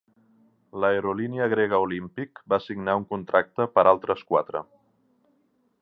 L'aerolínia grega Olympic va signar un contracte per altres quatre.